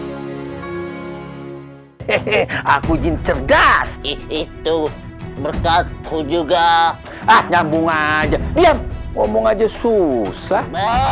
hai hehehe aku jin cerdas itu berkatku juga ah nyambung aja diam ngomong aja susah